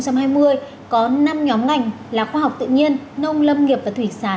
có năm nhóm ngành là khoa học tự nhiên nông lâm nghiệp và thủy sản